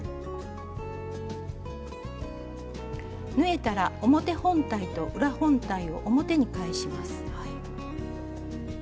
縫えたら表本体と裏本体を表に返します。